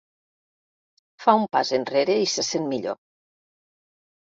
Fa un pas enrere i se sent millor.